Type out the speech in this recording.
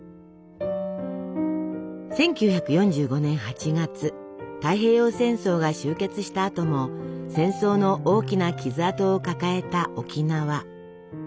１９４５年８月太平洋戦争が終結したあとも戦争の大きな傷痕を抱えた沖縄。